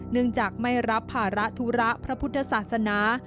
เนื่องจากไม่รับภาระธุระพระพุทธศาสนา